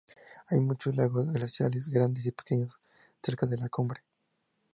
Hay muchos lagos glaciares, grandes y pequeños cerca de la cumbre.